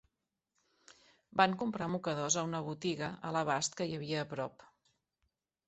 Van comprar mocadors a una botiga a l'abast que hi havia a prop.